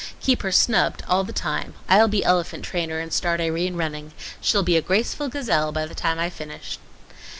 Keep her snubbed all the time. I'll be elephant trainer and start Irene running; she'll be a graceful gazelle by the time I finish."